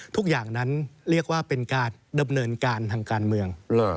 ทุกอย่างนั้นเรียกว่าเป็นการดำเนินการทางการเมือง